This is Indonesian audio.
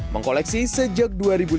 mengkoleksi sejak dua ribu lima belas